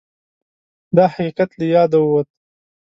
دا حقیقت له یاده ووت